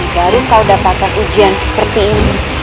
baru kau dapatkan ujian seperti ini